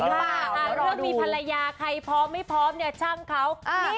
เรื่องมีภรรยาใครพร้อมไม่พร้อมเนี่ยช่างเขา